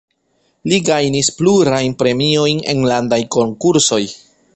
Li gajnis plurajn premiojn en landaj konkursoj.